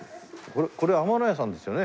これ天乃屋さんですよね。